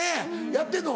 やってるの？